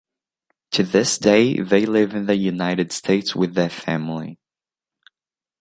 To this day, they live in the United States with their family.